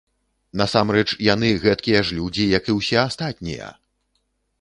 Насамрэч, яны гэткія ж людзі, як і ўсе астатнія!